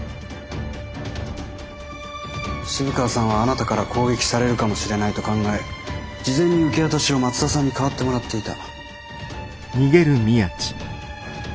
渋川さんはあなたから攻撃されるかもしれないと考え事前に受け渡しを松田さんに代わってもらっていた。